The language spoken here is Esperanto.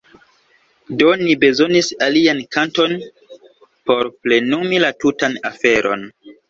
Do ni bezonis alian kanton por plenumi la tutan aferon.